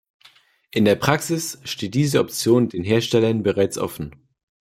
In der Praxis steht diese Option den Herstellern bereits offen.